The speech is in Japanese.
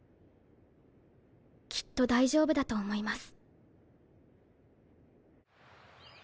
きっと大丈夫だと思います。